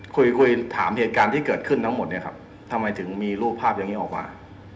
คุยคุยถามเหตุการณ์ที่เกิดขึ้นทั้งหมดเนี่ยครับทำไมถึงมีรูปภาพอย่างนี้ออกมา